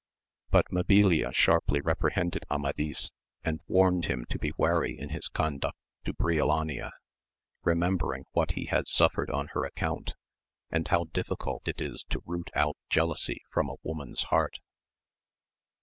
But Mabilia sharply reprehended Amadis, and warned him to be wary in his conduct to Briolania, remembering what he had suffered on her account, and how difficult it is to root out jealousy from a woman's heart.